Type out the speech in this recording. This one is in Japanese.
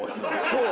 そう！